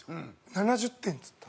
７０点っつって。